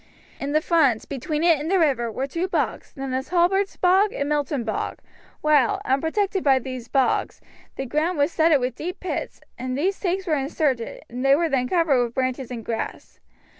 In its front, between it and the river, were two bogs, known as Halberts Bog and Milton Bog, while, where unprotected by these bogs, the whole ground was studded with deep pits; in these stakes were inserted, and they were then covered with branches and grass.